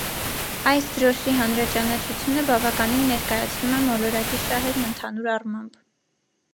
Այս դրոշի հանրաճանաչությունը բավականին ներկայացնում է մոլորակի շահերն ընդհանուր առմամբ։